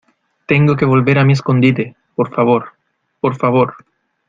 tengo que volver a mi escondite, por favor. por favor .